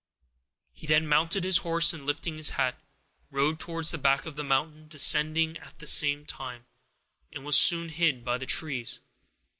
He then mounted his horse, and lifting his hat, rode towards the back of the mountain, descending at the same time, and was soon hid by the trees.